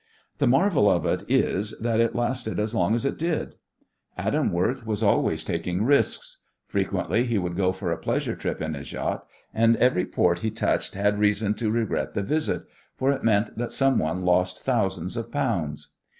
The marvel of it is that it lasted as long as it did. Adam Worth was always taking risks. Frequently he would go for a pleasure trip in his yacht and every port he touched had reason to regret the visit, for it meant that some one lost thousands of pounds.